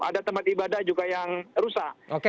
ada tempat ibadah juga yang rusak